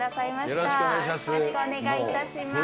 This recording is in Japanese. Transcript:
よろしくお願いします。